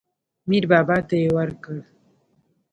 میر بابا ته یې ورکړ.